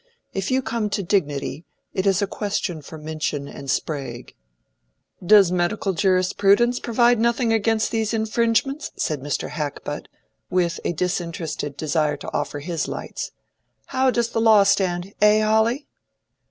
If you come to dignity it is a question for Minchin and Sprague." "Does medical jurisprudence provide nothing against these infringements?" said Mr. Hackbutt, with a disinterested desire to offer his lights. "How does the law stand, eh, Hawley?"